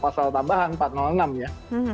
pasal tambahan empat ratus enam ya